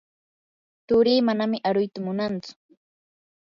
turii manan aruyta munantsu.